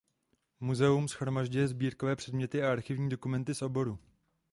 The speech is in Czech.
Muzeum shromažďuje sbírkové předměty a archivní dokumenty z oboru.